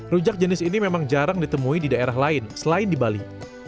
rujak jenis ini memang jarang ditemui di daerah lain selain di bali